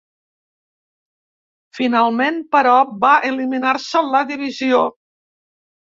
Finalment, però, va eliminar-se la divisió.